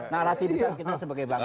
narasi besar kita sebagai bangsa